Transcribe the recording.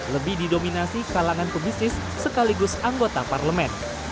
lebih didominasi kalangan pebisnis sekaligus anggota parlemen